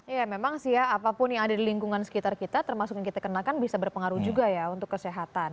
ya memang sih ya apapun yang ada di lingkungan sekitar kita termasuk yang kita kenakan bisa berpengaruh juga ya untuk kesehatan